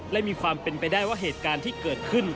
และมีความเป็นไปได้ว่าเหตุการณ์ที่เกิดขึ้น